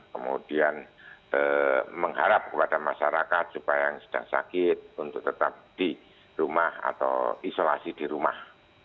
kemudian mengharap kepada masyarakat supaya yang sedang sakit untuk tetap di rumah atau isolasi di rumah